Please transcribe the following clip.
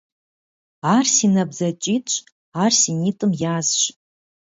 Ар си набдзэкӀитӀщ, ар си нитӀым язщ.